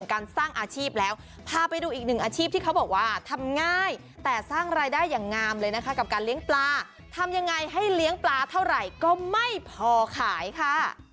การสร้างอาชีพแล้วพาไปดูอีกหนึ่งอาชีพที่เขาบอกว่าทำง่ายแต่สร้างรายได้อย่างงามเลยนะคะกับการเลี้ยงปลาทำยังไงให้เลี้ยงปลาเท่าไหร่ก็ไม่พอขายค่ะ